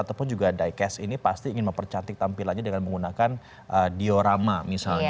ataupun juga diecast ini pasti ingin mempercantik tampilannya dengan menggunakan diorama misalnya